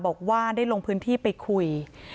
บอกว่าได้ลงพื้นที่ไปคุย